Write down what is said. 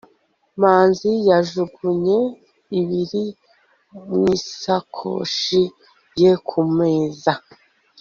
manzi yajugunye ibiri mu isakoshi ye ku meza